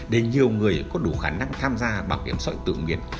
để nhiều người có đủ khả năng tham gia bảo hiểm xã hội tự nhiên